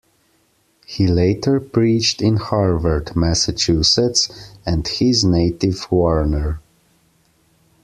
He later preached in Harvard, Massachusetts, and his native Warner.